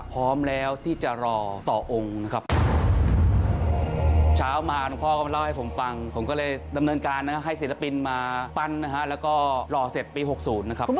พร้อมแล้วที่จะรอต่อองค์นะครับ